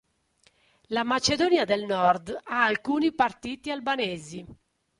La Macedonia del Nord ha alcuni partiti albanesi.